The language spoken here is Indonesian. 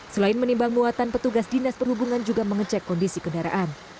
selain menimbang muatan petugas dinas perhubungan juga mengecek kondisi kendaraan